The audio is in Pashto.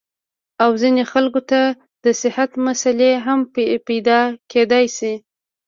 او ځينې خلکو ته د صحت مسئلې هم پېدا کېدے شي -